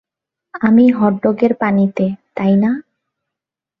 আমি hot dog এর পানিতে, তাই না?